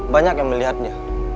banyak yang melihatnya